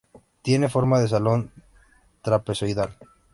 Tiene forma de salón trapezoidal.